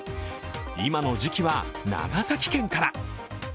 今の時期は、長崎県から。